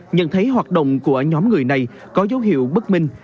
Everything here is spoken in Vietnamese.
nhận thấy hoạt động của nhóm người này có dấu hiệu bất minh